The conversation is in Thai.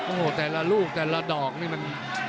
โอ้โหแต่ละลูกแต่ละดอกนี่มัน